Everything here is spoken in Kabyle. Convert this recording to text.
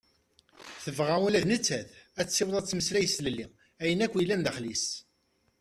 Tebɣa ula d nettat ad tessiweḍ ad temmeslay s tlelli ayen akk yellan daxel-is.